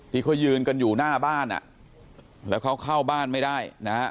ที่เขายืนกันอยู่หน้าบ้านอ่ะแล้วเขาเข้าบ้านไม่ได้นะฮะ